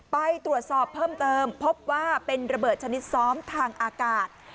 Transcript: ไปตรวจสอบเพิ่มเติมพบว่าเป็นระเบิดชนิดซ้อมทางอากาศ